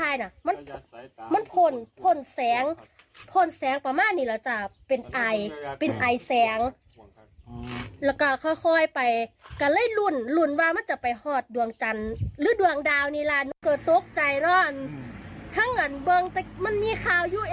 ยาลังก็คิดว่ามันจะนี่ตกยาลังตกลงมามันบ้า